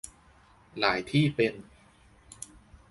หลายที่เป็น